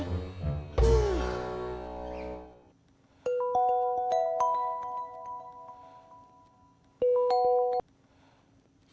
tidak ada apa apa